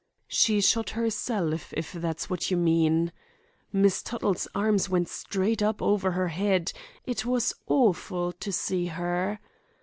'She shot herself, if that's what you mean.' Miss Tuttle's arms went straight up over her head. It was awful to see her.